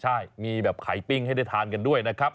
ใช่มีแบบไข่ปิ้งให้ได้ทานกันด้วยนะครับ